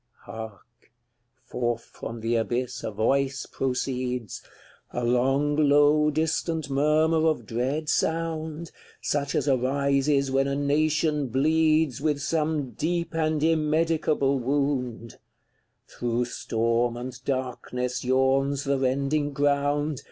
CLXVII. Hark! forth from the abyss a voice proceeds, A long, low distant murmur of dread sound, Such as arises when a nation bleeds With some deep and immedicable wound; Through storm and darkness yawns the rending ground.